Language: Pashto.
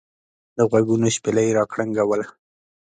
دغوږونو شپېلۍ را کرنګوله.